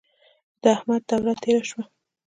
د احمد دوره تېره شوه.